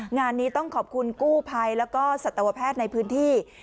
งานนี้ต้องขอบคุณกู้ภัยแล้วก็สัตวแพทย์ในพื้นที่